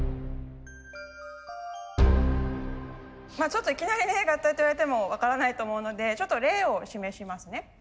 ちょっといきなりね合体といわれても分からないと思うのでちょっと例を示しますね。